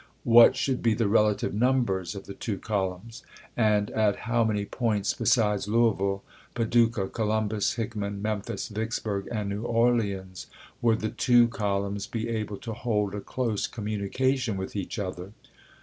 What should be the relative numbers of the two columns, and at how many points besides Louisville, Paducah, Columbus, Hickman, Memphis, Vicksburg, and New Orleans would the two columns be able to hold a close communication with each other